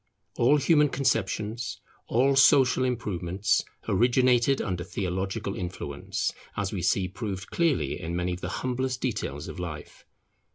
All human conceptions, all social improvements originated under theological influence, as we see proved clearly in many of the humblest details of life.